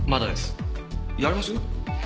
やりますよ。